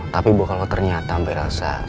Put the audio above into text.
tapi ibu kalau ternyata bel elsa serius